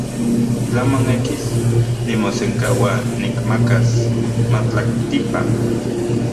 Tla monekis, nimosenkaua nikmakas matlaktipan.